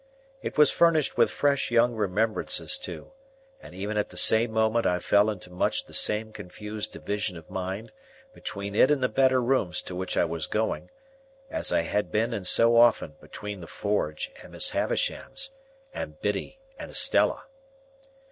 It was furnished with fresh young remembrances too, and even at the same moment I fell into much the same confused division of mind between it and the better rooms to which I was going, as I had been in so often between the forge and Miss Havisham's, and Biddy and Estella.